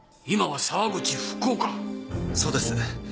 そうです。